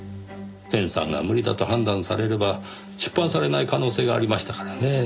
編纂が無理だと判断されれば出版されない可能性がありましたからね。